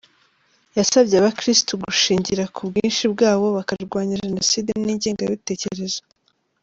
Yasabye abakirisitu gushingira ku bwinshi bwabo bakarwanya Jenoside n’ingengabitekerezo.